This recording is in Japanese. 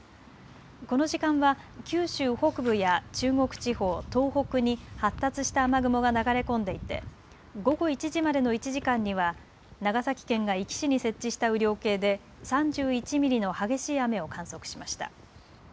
この時間は九州北部や中国地方、東北に発達した雨雲が流れ込んでいて午後１時までの１時間には長崎県が壱岐市に設置した雨量計で３１ミリの激しい雨を観測しました。